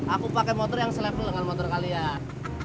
aku pakai motor yang selevel dengan motor kalian